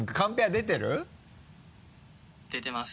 出てます。